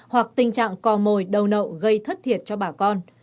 hoặc tình trạng cò mồi đầu nậu gây thất thiệt cho bà con